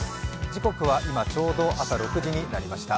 時刻は今ちょうど朝６時になりました。